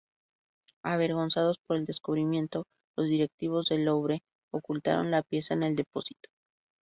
Avergonzados por el descubrimiento, los directivos del Louvre ocultaron la pieza en el depósito.